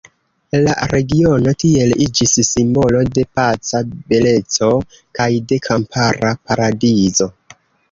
La regiono tiel iĝis simbolo de paca beleco kaj de kampara paradizo.